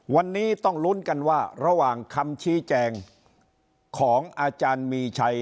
วันนี้ต้องลุ้นกันว่าระหว่างคำชี้แจงของอาจารย์มีชัย